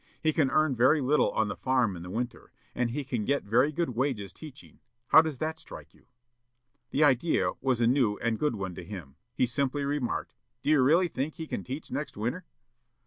He can earn very little on the farm in the winter, and he can get very good wages teaching. How does that strike you?' "The idea was a new and good one to him. He simply remarked, 'Do you really think he can teach next winter?'